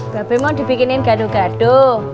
bapak mau dibikinin gaduh gaduh